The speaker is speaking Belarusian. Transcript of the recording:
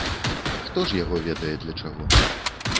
Хто ж яго ведае, для чаго.